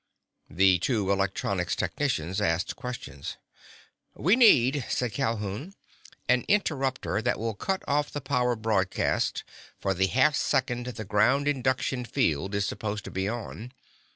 The two electronics technicians asked questions. "We need," said Calhoun, "an interruptor that will cut off the power broadcast for the half second the ground induction field is supposed to be on.